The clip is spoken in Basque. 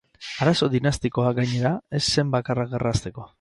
Arazo dinastikoa, gainera, ez zen bakarra gerra hasteko.